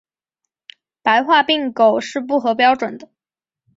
白化病狗是不合标准的。